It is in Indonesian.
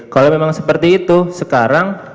kalau memang seperti itu sekarang